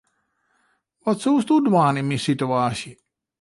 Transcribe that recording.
Wat soesto dwaan yn myn situaasje?